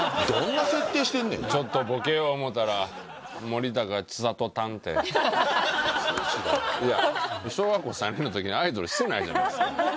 ちょっとボケよう思たら「森高千里たん」て。小学校３年のときにアイドルしてないじゃないですか。